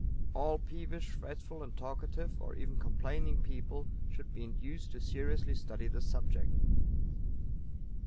All peevish, fretful and talkative, or even complaining people, should be induced to seriously study this subject.